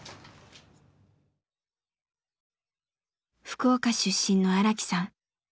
福岡出身の荒木さん。